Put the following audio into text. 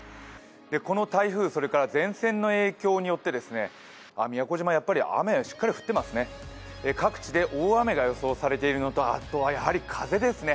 この台風それから前線の影響によって、宮古島、やっぱり雨がしっかり降ってますね、各地で大雨が予想されているのとあとはやはり風ですね。